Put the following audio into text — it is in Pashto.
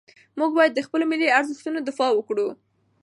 موږ باید د خپلو ملي ارزښتونو دفاع وکړو.